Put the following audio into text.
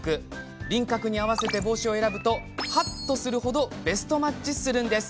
輪郭に合わせて帽子を選ぶとはっとする程ベストマッチするんです